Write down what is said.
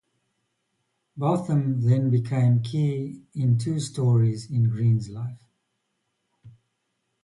Botham then became key in two stories in Green's life.